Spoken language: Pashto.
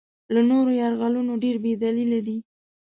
له نورو یرغلونو ډېر بې دلیله دی.